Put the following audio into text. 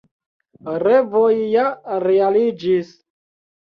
Revoj ja realiĝis!